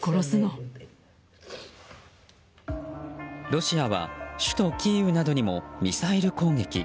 ロシアは首都キーウなどにもミサイル攻撃。